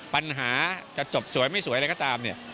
ปัญหาจะจบสวยไม่สวยอะไรก็ตามเนี่ย